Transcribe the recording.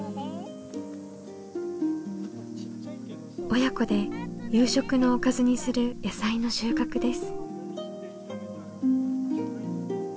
親子で夕食のおかずにする野菜の収穫です。